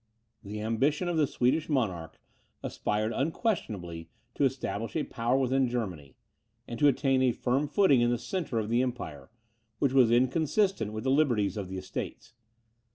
The ambition of the Swedish monarch aspired unquestionably to establish a power within Germany, and to attain a firm footing in the centre of the empire, which was inconsistent with the liberties of the Estates.